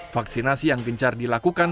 vaksinasi yang gencar dilakukan